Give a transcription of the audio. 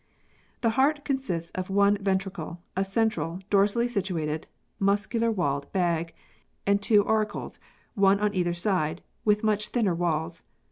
The heart consists of one ventricle, a central, dorsally situated, muscular walled bag, and two auricles, one on either side, with much thinner walls.